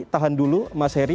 tahan dulu mas heri